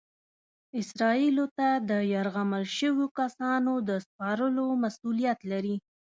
اسرائیلو ته د یرغمل شویو کسانو د سپارلو مسؤلیت لري.